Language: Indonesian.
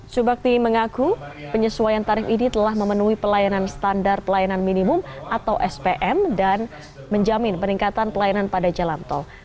subakti mengaku penyesuaian tarif ini telah memenuhi pelayanan standar pelayanan minimum atau spm dan menjamin peningkatan pelayanan pada jalan tol